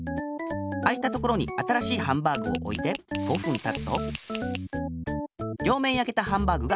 あいたところに新しいハンバーグをおいて５ふんたつと両面やけたハンバーグが１つできあがる。